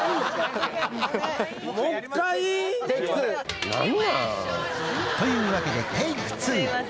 もう一回？というわけで、テイク２。